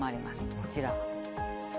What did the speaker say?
こちら。